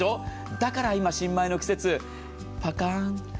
だから今、新米の季節パカン。